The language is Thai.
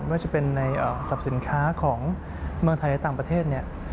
ว่าจะเป็นในสรรพสินค้าของเมืองไทยและต่างประเทศเนี่ย